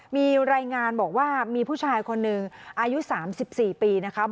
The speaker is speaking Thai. มีรายงานบอกว่ามีผู้ชายคนนึงอายุสามสิบสี่ปีนะคะ